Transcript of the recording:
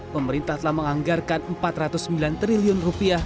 pemerintah telah menganggarkan rp empat ratus sembilan triliun